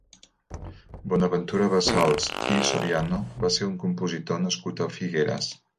Bonaventura Bassols i Soriano va ser un compositor nascut a Figueres.